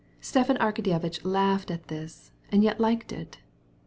Stepan Arkadyevitch laughed at this, and liked it.